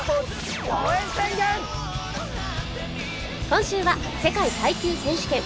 今週は世界耐久選手権。